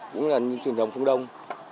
cũng là truyền thống phương đông